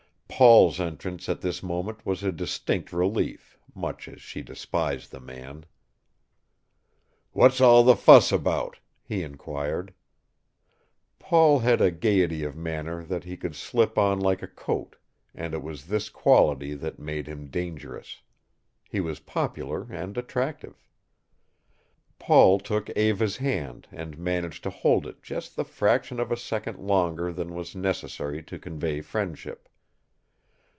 Paul's entrance at this moment was a distinct relief, much as she despised the man. "What's all the fuss about?" he inquired. Paul had a gaiety of manner that he could slip on like a coat, and it was this quality that made him dangerous. He was popular and attractive. Paul took Eva's hand and managed to hold it just the fraction of a second longer than was necessary to convey friendship.